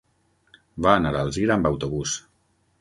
Va anar a Alzira amb autobús.